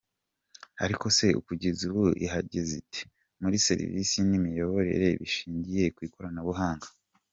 Ariko se kugeza ubu ihagaze ite muri serivisi n’imiyoborere bishingiye ku ikoranabuhanga.